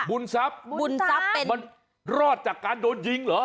บุญซับบุญซับมันรอดจากการโดนยิงเหรอ